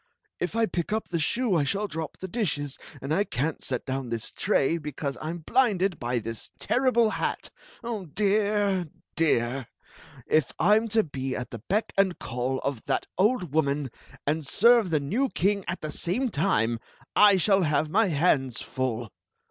If I pick up the shoe I shall drop the dishes; and I can't set down this tray because I *m blinded by this terrible hat! Dear — dear! If I *m to be at the beck and call of that old woman, and serve the new king at the same time, I shall have my hands full.